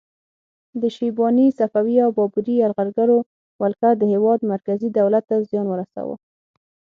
د شیباني، صفوي او بابري یرغلګرو ولکه د هیواد مرکزي دولت ته زیان ورساوه.